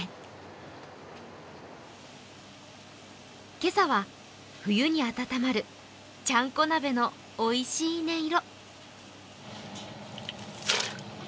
今朝は冬に暖まるちゃんこ鍋のおいしい音色。